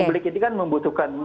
publik itu kan membutuhkan